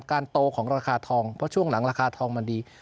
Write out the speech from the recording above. โตของราคาทองเพราะช่วงหลังราคาทองมันดี